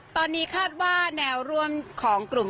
ตอนนี้คาดว่าแนวร่วมของกลุ่ม